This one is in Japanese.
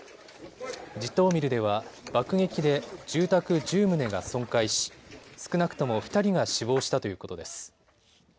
ジトーミルでは爆撃で住宅１０棟が損壊し少なくとも２人が死亡したということです。